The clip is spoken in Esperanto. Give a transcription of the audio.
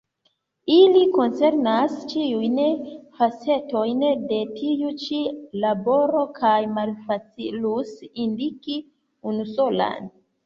Ili koncernas ĉiujn facetojn de tiu ĉi laboro kaj malfacilus indiki unusolan.